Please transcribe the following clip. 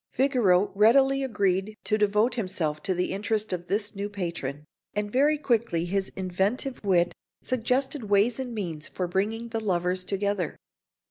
Figaro readily agreed to devote himself to the interest of this new patron; and very quickly his inventive wit suggested ways and means for bringing the lovers together.